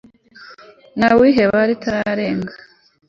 ntawiheba ritararenga